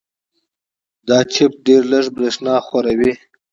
دا چپ ډېره لږه برېښنا خوري.